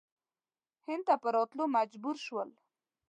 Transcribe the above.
هند ته په راتللو مجبور شول.